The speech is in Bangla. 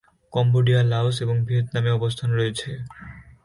কম্বোডিয়া, লাওস এবং ভিয়েতনামে অবস্থান রয়েছে।